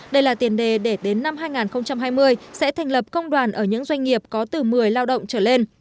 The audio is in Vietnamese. đây là tiền đề để đến năm hai nghìn hai mươi sẽ thành lập công đoàn ở những doanh nghiệp có từ một mươi lao động trở lên